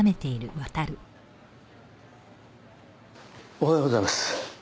おはようございます。